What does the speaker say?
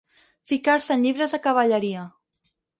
Ficar-se en llibres de cavalleria.